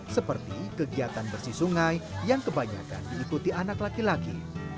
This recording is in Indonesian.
seperti kegiatan bersih sungai yang kebanyakan diikuti anak laki laki